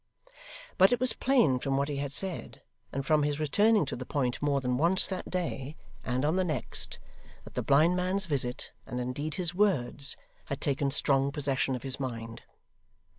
But it was plain from what he had said, and from his returning to the point more than once that day, and on the next, that the blind man's visit, and indeed his words, had taken strong possession of his mind.